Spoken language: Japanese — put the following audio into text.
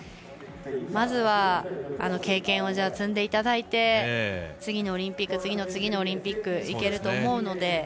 まず経験を積んでいただいて次のオリンピック次の次のオリンピックいけると思うので。